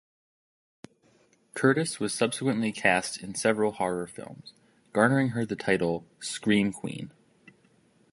Curtis was subsequently cast in several horror films, garnering her the title, "scream queen".